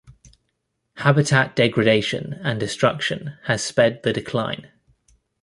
Habitat degradation and destruction has sped the decline.